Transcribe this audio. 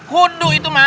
kudu itu mak